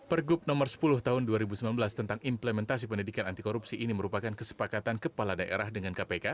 pergub nomor sepuluh tahun dua ribu sembilan belas tentang implementasi pendidikan anti korupsi ini merupakan kesepakatan kepala daerah dengan kpk